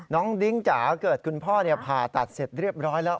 น้องดิ๊งและก็จะเกิดคุณพ่อภาตัดเสร็จเรียบร้อยแล้ว